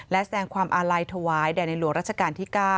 และแสดงความอาลัยถวายแด่ในหลวงรัชกาลที่๙